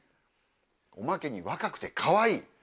おまけに若くてかわいい。